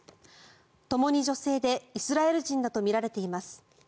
ともに女性で、イスラエル人だとみられています。